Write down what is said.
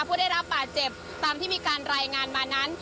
ผู้ได้รับบาดเจ็บตามที่มีการรายงานมานั้น